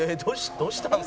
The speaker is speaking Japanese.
どうしたんすか？」